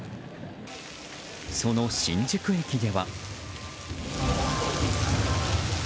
その新宿駅では。